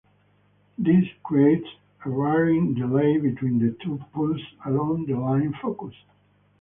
This creates a varying delay between the two pulses along the line focus.